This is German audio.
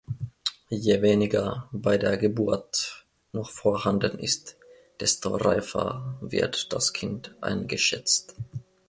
Je weniger bei der Geburt noch vorhanden ist, desto reifer wird das Kind eingeschätzt.